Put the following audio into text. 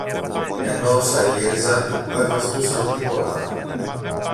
ενώ όσα γύριζαν δε βαστούσαν τίποτα.